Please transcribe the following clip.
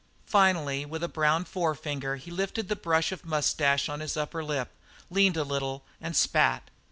Finally with a brown forefinger he lifted the brush of moustache on his upper lip, leaned a little, and spat.